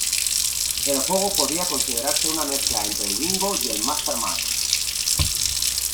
El juego podía considerarse una mezcla entre el Bingo y el Master Mind.